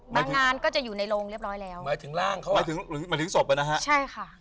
งานก็จะอยู่ในโรงเรียบร้อยแล้วหมายถึงร่างเขาหมายถึงหมายถึงศพอ่ะนะฮะใช่ค่ะ